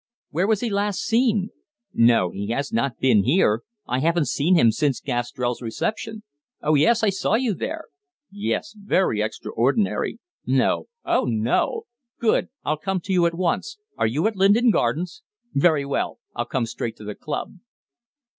"Where was he last seen?" "No, he has not been here. I haven't seen him since Gastrell's reception." "Oh, yes, I saw you there." "Yes, very extraordinary." "No." "Oh, no." "Good. I'll come to you at once. Are you at Linden Gardens?" "Very well, I'll come straight to the club."